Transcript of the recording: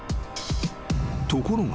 ［ところが］